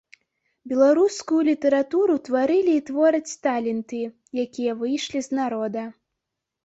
Беларускую літаратуру тварылі і твораць таленты, якія выйшлі з народа.